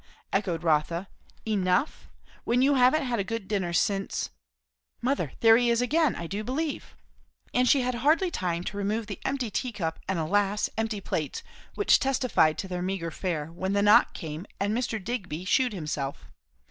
echoed Rotha. "Enough! when you haven't had a good dinner since Mother, there he is again, I do believe!" And she had hardly time to remove the empty tea cup and, alas! empty plates, which testified to their meagre fare, when the knock came and Mr. Digby shewed himself.